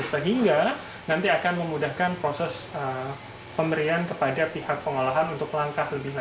sehingga nanti akan memudahkan proses pemberian kepada pihak pengolahan untuk langkah lebih lanjut